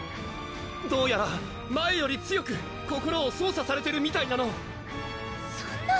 どうやら前より強く心を操作されてるみたいなのそんな！